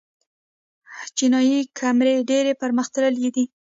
چینايي کیمرې ډېرې پرمختللې دي.